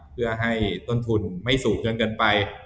เพื่อให้ต้นทุนไม่สูงจนเกินไป